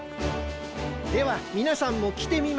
ではみなさんもきてみましょう。